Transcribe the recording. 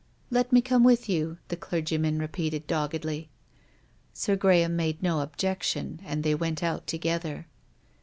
" Let me come with you," the clergyman repeated doggedly. Sir Graham made no objection, and they went out together.